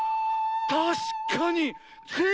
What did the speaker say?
たしかに！